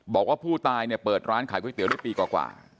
บอกว่าผู้ตายเนี่ยเปิดร้านขายก๋วยเตี๋ได้ปีกว่า